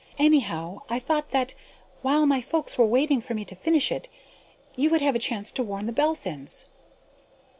Anyhow, I thought that, while my folks were waiting for me to finish it, you would have a chance to warn the Belphins."